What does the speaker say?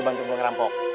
lu bantu gue ngerampok